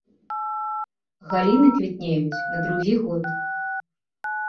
Галіны квітнеюць на другі год.